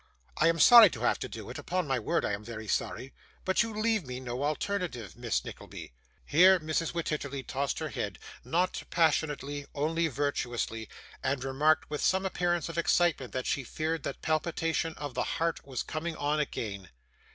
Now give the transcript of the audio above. I am sorry to have to do it, upon my word I am very sorry, but you leave me no alternative, Miss Nickleby.' Here Mrs. Wititterly tossed her head not passionately, only virtuously and remarked, with some appearance of excitement, that she feared that palpitation of the heart was coming on again.